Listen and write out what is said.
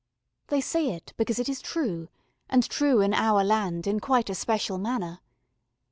They say it because it is true, and true in our land in quite a special manner.